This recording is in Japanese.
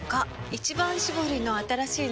「一番搾り」の新しいの？